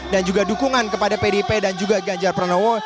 dan juga dukungan kepada pdip dan juga ganjar pranowo